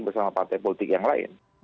bersama partai politik yang lain